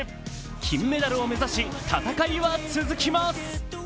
金メダルを目指し戦いは続きます。